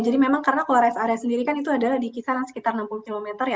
memang karena kalau rest area sendiri kan itu adalah di kisaran sekitar enam puluh km ya